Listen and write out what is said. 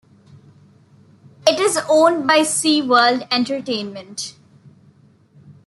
It is owned by SeaWorld Entertainment.